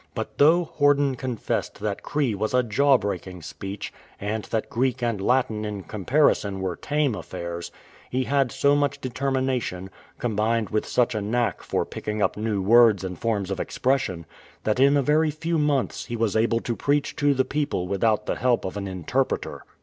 But though Horden confessed that Cree was a jaw breaking speech, and that Greek and Latin in comparison were tame affairs, he had so much determina tion, combined with such a knack for picking up new words and forms of expression, that in a very few months he was able to preach to the people without the help of an interpreter.